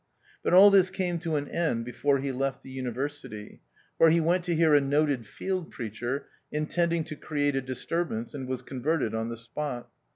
But all this came to an end THE OUTCAST. 53 before he left the university, for he went to hear a noted field preacher, intending to create a disturbance, and was converted on the spot.